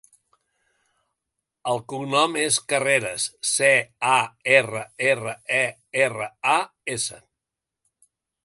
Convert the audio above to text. El cognom és Carreras: ce, a, erra, erra, e, erra, a, essa.